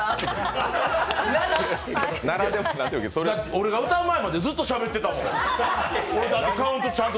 俺が歌う前までずっとしゃべってたもん。